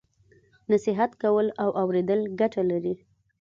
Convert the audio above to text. نصیحت کول او اوریدل ګټه لري.